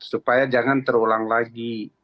supaya jangan terulang lagi